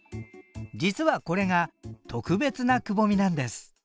実はこれが特別なくぼみなんです。